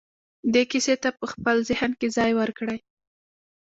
دې کيسې ته په خپل ذهن کې ځای ورکړئ.